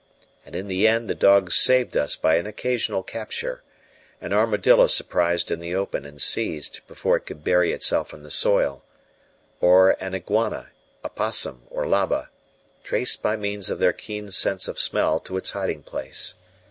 And in the end the dogs saved us by an occasional capture an armadillo surprised in the open and seized before it could bury itself in the soil, or an iguana, opossum, or labba, traced by means of their keen sense of smell to its hiding place.